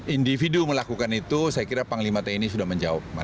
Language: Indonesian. individu melakukan itu saya kira panglima tni sudah menjawab